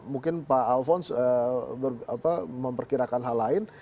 mungkin pak alphonse memperkirakan hal lain